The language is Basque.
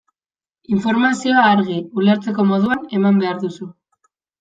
Informazioa argi, ulertzeko moduan, eman behar duzu.